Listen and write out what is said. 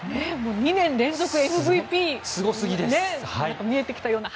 ２年連続ＭＶＰ見えてきたような。